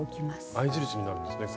合い印になるんですね